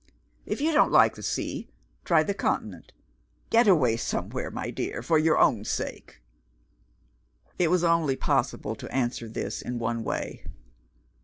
If you don't like the sea, try the Continent. Get away somewhere, my dear, for your own sake." It was only possible to answer this, in one way.